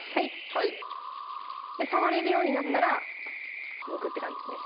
はい触れるようになったらむくって感じですね